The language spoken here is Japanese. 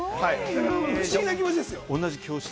不思議な気持ちですよ。